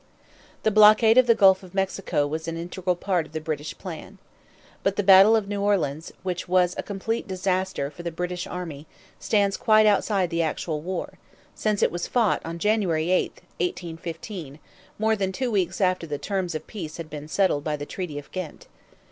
The blockade of the Gulf of Mexico was an integral part of the British plan. But the battle of New Orleans, which was a complete disaster for the British arms, stands quite outside the actual war, since it was fought on January 8, 1815, more than two weeks after the terms of peace had been settled by the Treaty of Ghent.